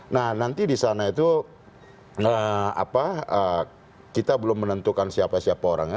nah nanti di sana itu kita belum menentukan siapa siapa orangnya